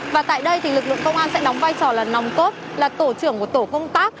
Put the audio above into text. và tại đây lực lượng công an sẽ đóng vai trò là nòng cốt là tổ trưởng của tổ công tác